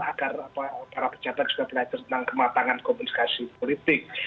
agar para pejabat juga belajar tentang kematangan komunikasi politik